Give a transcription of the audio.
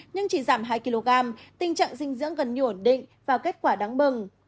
nhưng chỉ giảm hai kg tình trạng dinh dưỡng gần như ổn định và kết quả đáng mừng